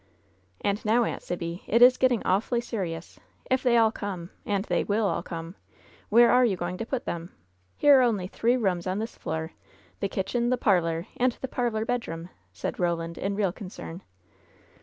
"And now, Aunt Sibby, it is getting awfully serious ! If they all come — and they will all come — ^where are you going to put them ? Here are only three rooms on this floor — ^the kitchen, the parlor and the parlor bed room," said Roland, in real concern.